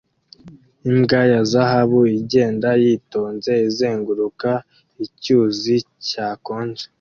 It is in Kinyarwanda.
Imbwa ya zahabu igenda yitonze izenguruka icyuzi cyakonje